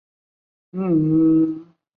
现为江苏省文物保护单位。